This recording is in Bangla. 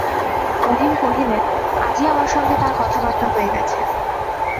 মহিম কহিলেন, আজই আমার সঙ্গে তার কথাবার্তা হয়ে গেছে।